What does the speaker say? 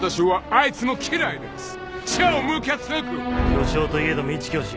巨匠といえども一教師。